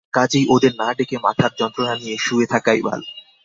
কাজেই ওদের না ডেকে মাথার যন্ত্রণা নিয়ে শুয়ে থাকাই ভাল।